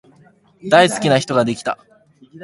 大好きな人ができた